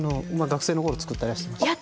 学生の頃作ったりはしてました。